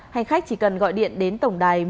hành khách chỉ cần gọi điện đến tổng đài